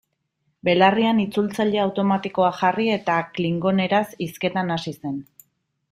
Belarrian itzultzaile automatikoa jarri eta klingoneraz hizketan hasi zen.